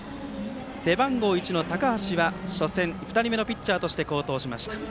背番号１の高橋は初戦２人目のピッチャーとして好投しました。